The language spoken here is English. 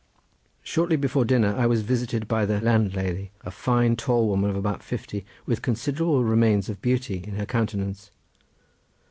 Shortly before dinner I was visited by the landlady, a fine tall woman of about fifty with considerable remains of beauty in her countenance.